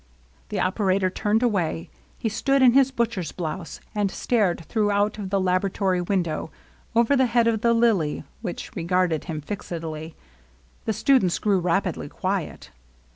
The operator turned away; he stood in his butcher's blouse and stared through out of the lab oratory window, over the head of the lily, which re garded him fixedly. The students grew rapidly quiet.